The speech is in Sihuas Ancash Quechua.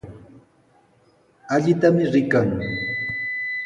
Allitami rikan.